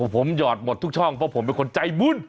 ผมหยอดหมดทุกช่องเพราะผมเป็นคนใจบุญ